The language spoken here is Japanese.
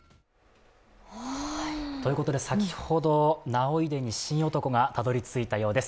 ということで、先ほど儺追殿に神男がたどり着いたようです。